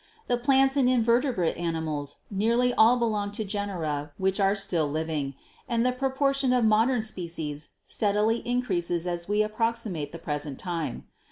The plants and invertebrate animals nearly all belong to genera which are still living, and the proportion of modern species steadily increases as we approximate the present time.